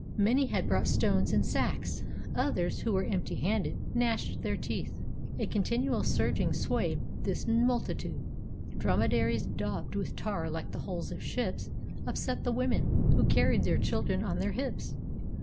Many had brought stones in sacks; others, who were empty handed, gnashed their teeth. A continual surging swayed this multitude. Drome daries, daubed with tar like the hulls of ships, upset the women who carried their children on their hips.